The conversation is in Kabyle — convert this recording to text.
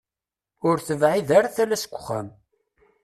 Ur tebɛid ara tala seg uxxam.